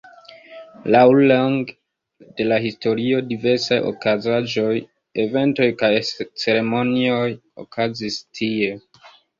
Laŭlonge de la historio diversaj okazaĵoj, eventoj kaj ceremonioj okazis tie.